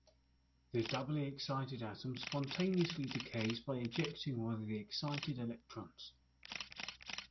The doubly excited atom spontaneously decays by ejecting one of the excited electrons.